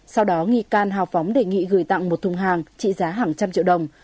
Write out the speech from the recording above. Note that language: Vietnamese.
sau đó nghi can hào phóng đề nghị gửi tặng một thùng hàng trị giá hàng trăm triệu đồng